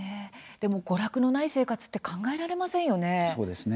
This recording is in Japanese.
でも娯楽のない生活って考えられませんよね。